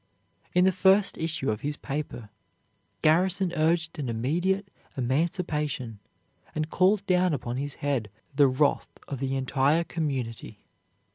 In the first issue of his paper, Garrison urged an immediate emancipation, and called down upon his head the wrath of the entire community.